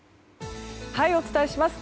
お伝えします。